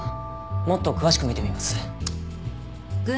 もっと詳しく見てみます。